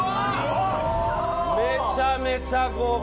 めちゃめちゃ豪華。